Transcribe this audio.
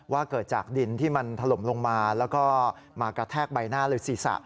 เกิดจากดินที่มันถล่มลงมาแล้วก็มากระแทกใบหน้าหรือศีรษะ